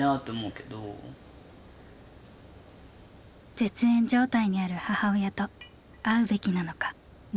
絶縁状態にある母親と会うべきなのか悩んでいました。